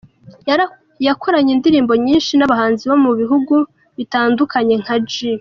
Yakoranye indirimbo nyinshi n’abahanzi bo mu bihugu bitandukanye nka J.